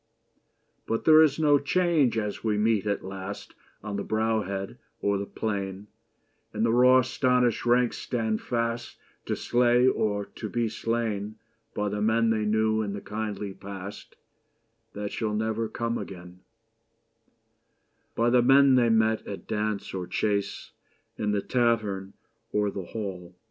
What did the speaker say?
But there is no change as we meet at last On the brow head or the plain, And the raw astonished ranks stand fast To slay or to be slain By the men they knew in the kindly past That shall never come again — By the men they met at dance or chase, In the tavern or the hall.